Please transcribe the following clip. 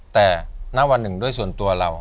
แต่ณวันหนึ่งด้วยส่วนตัวเรา